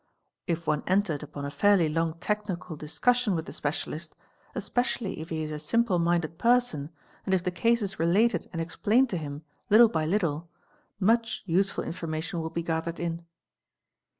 If one entered upon a fairly long technical discussion with the specialist, especially if he is a simple minded person, and if the case is related and explained to him, little by little, much useful information will be gathered in.